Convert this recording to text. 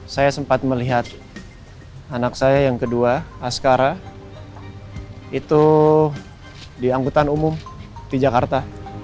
sejak saya yang kedua askara itu di anggutan umum di jakarta